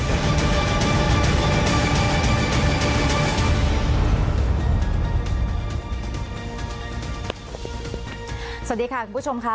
สวัสดีค่ะคุณผู้ชมค่ะ